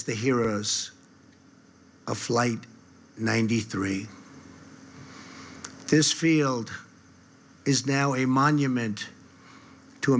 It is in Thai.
ที่นี่เป็นสัญลักษณ์ของโลกโลก